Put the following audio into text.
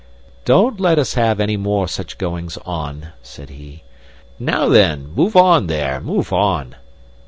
"Don't let us have any more such goings on," said he. "Now, then! Move on, there, move on!"